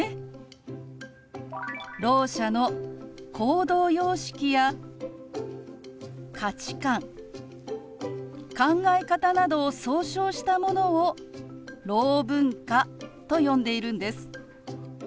ろう者の行動様式や価値観考え方などを総称したものをろう文化と呼んでいるんです。